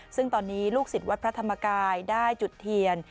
ซึ่งตอนนี้ลูกศิษย์วัดพระธรรมกายได้จุดเทียน